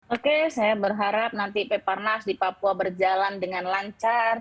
oke saya berharap nanti peparnas di papua berjalan dengan lancar